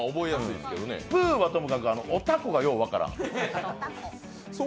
ぷーはともかく、おたこがよう分からん。